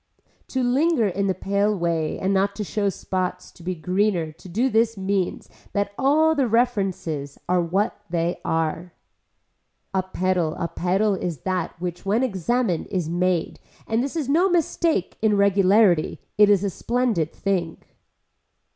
To linger in the pale way and not to show spots to be greener to do this means that all the references are what they are. A pedal a pedal is that which when examined is made and this is no mistake in regularity it is a splendid thing.